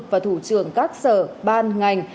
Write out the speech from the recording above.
và thủ trường các sở ban ngành